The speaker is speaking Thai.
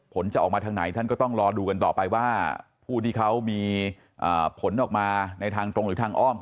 จะออกมาทางไหนท่านก็ต้องรอดูกันต่อไปว่าผู้ที่เขามีผลออกมาในทางตรงหรือทางอ้อม